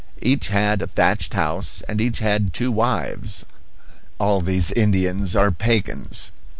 Each had a thatched house, and each had two wives all these Indians are pagans.